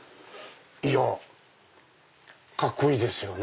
いやカッコいいですよね。